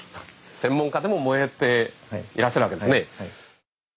・専門家でも燃えていらっしゃるわけですね。